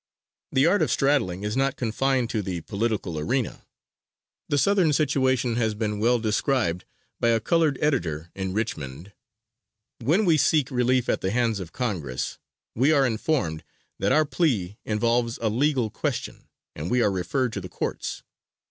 The art of straddling is not confined to the political arena. The Southern situation has been well described by a colored editor in Richmond: "When we seek relief at the hands of Congress, we are informed that our plea involves a legal question, and we are referred to the Courts.